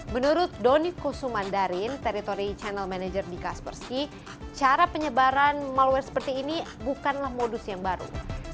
menurut doni kusumandarin teritori channel manager di kaspersky cara penyebaran malware seperti ini bukanlah modus yang baru